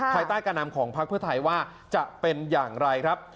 ภายใต้การนำของพักเพื่อไทยว่าจะเป็นอย่างไรครับ